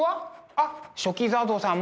あっ書記座像さん